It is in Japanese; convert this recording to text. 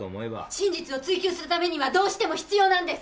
真実を追究するためにはどうしても必要なんです！